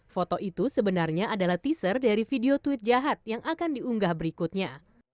foto itu sebenarnya adalah teaser dari video tweet jahat yang akan diunggah berikutnya